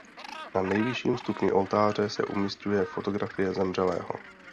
Na nejvyšším stupni oltáře se umísťuje fotografie zemřelého.